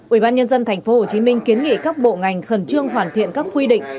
ủy ban nhân dân tp hcm kiến nghị các bộ ngành khẩn trương hoàn thiện các quy định